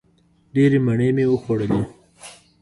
ډېرې مڼې مې وخوړلې!